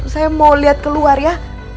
saya mau lihat keluar ya